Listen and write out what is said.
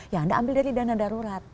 yang anda ambil dari dana darurat